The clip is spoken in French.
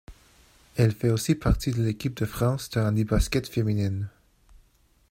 Elle fait aussi partie de l'équipe de France de handibasket féminine.